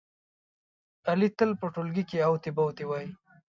علي تل په ټولگي کې اوتې بوتې وایي.